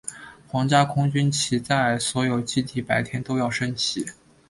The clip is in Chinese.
皇家空军旗在所有基地白天都要升起。